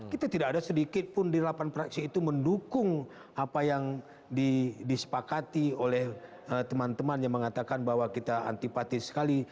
kita tidak ada sedikit pun di delapan praksi itu mendukung apa yang disepakati oleh teman teman yang mengatakan bahwa kita antipatis sekali